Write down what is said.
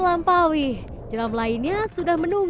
luar biasa ini jeramnya banyak sekali ya pak ya